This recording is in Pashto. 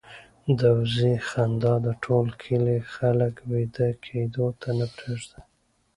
د وزې خندا د ټول کلي خلک وېده کېدو ته نه پرېږدي.